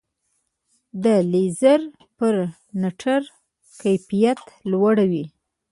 د لیزر پرنټر کیفیت لوړ وي.